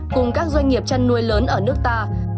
cùng các doanh nghiệp chăn nuôi lớn ở nước ta